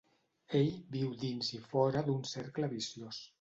Ell viu dins i fora d'un cercle viciós.